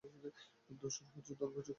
দর্শন হচ্ছে ধর্মের যুক্তিসঙ্গত ব্যাখ্যা।